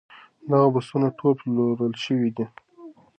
دغه بستونه ټول پلورل شوي دي.